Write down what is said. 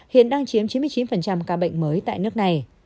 hiện đang chiếm chín mươi chín ca bệnh mới tại nước này